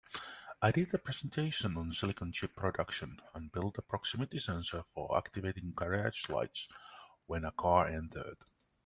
I did a presentation on silicon chip production and built a proximity sensor for activating garage lights when a car entered.